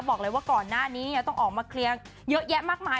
บอกเลยว่าก่อนหน้านี้ต้องออกมาเคลียร์เยอะแยะมากมาย